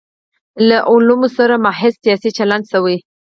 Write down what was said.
له علومو سره محض سیاسي چلند شوی.